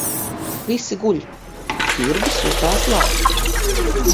Visi guļ. Ķirbis jutās labi.